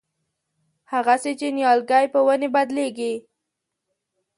هغسې چې نیالګی په ونې بدلېږي.